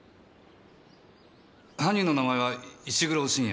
犯人の名前は石黒信也。